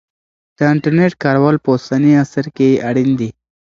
د انټرنیټ کارول په اوسني عصر کې اړین دی.